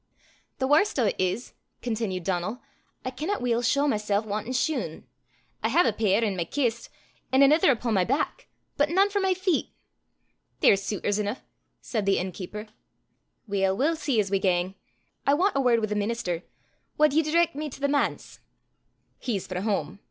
"The warst o' 't is," continued Donal, "I canna weel shaw mysel' wantin' shune. I hae a pair i' my kist, an' anither upo' my back, but nane for my feet." "There's sutors eneuch," said the innkeeper. "Weel we'll see as we gang. I want a word wi' the minister. Wad ye direc' me to the manse?" "He's frae hame.